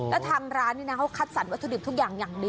แล้วทางร้านนี่นะเขาคัดสรรวัตถุดิบทุกอย่างอย่างดี